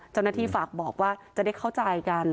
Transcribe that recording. เจ้าหน้าที่ฝากบอกว่าจะได้เข้าใจกัน